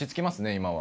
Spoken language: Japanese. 今は。